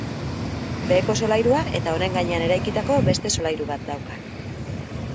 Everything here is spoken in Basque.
Beheko solairua eta honen gainean eraikitako beste solairu bat dauka.